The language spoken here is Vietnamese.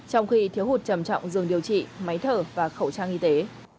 trong khi thiếu hụt trầm trọng điều trị máy thở và khẩu trang y tế